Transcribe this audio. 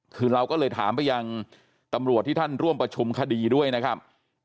คือเราก็เลยถามไปยังตำรวจที่ท่านร่วมประชุมคดีด้วยนะครับ